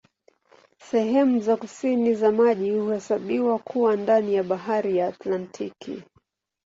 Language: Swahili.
Sehemu za kusini za maji huhesabiwa kuwa ndani ya Bahari ya Antaktiki.